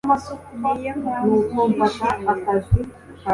Niyo mpamvu nishimye